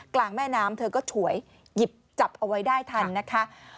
กลางแม่น้ำเธอก็ฉวยหยิบจับเอาไว้ได้ทันนะคะ